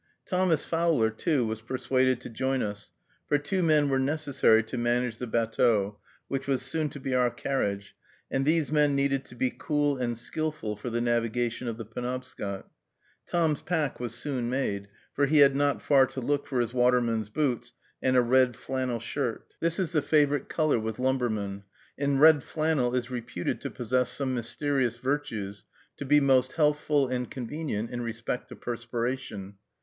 Thomas Fowler, too, was persuaded to join us, for two men were necessary to manage the batteau, which was soon to be our carriage, and these men needed to be cool and skillful for the navigation of the Penobscot. Tom's pack was soon made, for he had not far to look for his waterman's boots, and a red flannel shirt. This is the favorite color with lumbermen; and red flannel is reputed to possess some mysterious virtues, to be most healthful and convenient in respect to perspiration.